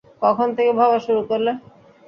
কখন থেকে ভাবা শুরু করলে?